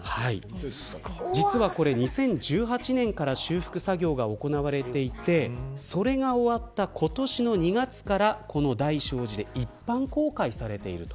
実はこれ、２０１８年から修復作業が行われていてそれが終わった今年の２月からこの大聖寺で一般公開されていると。